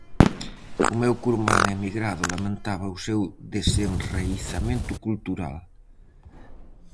O meu curmán emigrado lamentaba o seu desenraizamento cultural.